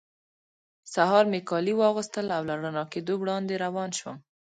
سهار مې کالي واغوستل او له رڼا کېدو وړاندې روان شوم.